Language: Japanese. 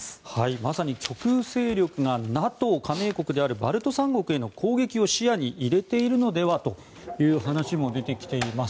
まさに極右勢力がＮＡＴＯ加盟国であるバルト三国への攻撃を視野に入れているのではという話も出てきています。